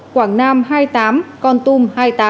quảng nam hai mươi tám con tum hai mươi tám